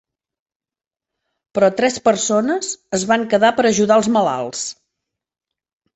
Però tres persones es van quedar per ajudar als malalts.